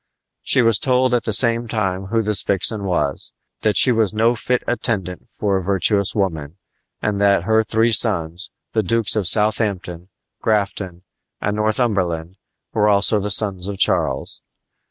She was told at the same time who this vixen was that she was no fit attendant for a virtuous woman, and that her three sons, the Dukes of Southampton, Grafton, and Northumberland, were also the sons of Charles.